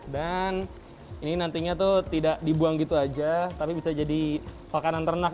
dan ini nantinya tuh tidak dibuang gitu aja tapi bisa jadi makanan ternak